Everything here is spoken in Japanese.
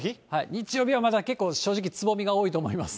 日曜日はまだ結構正直つぼみが多いと思います。